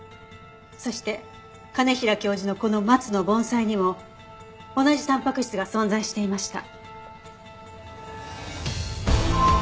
そして兼平教授のこのマツの盆栽にも同じたんぱく質が存在していました。